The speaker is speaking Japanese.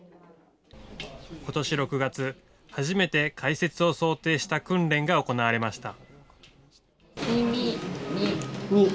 ことし６月、初めて開設を想定した訓練が行われました。